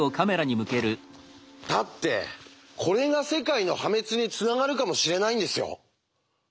だってこれが世界の破滅につながるかもしれないんですよ？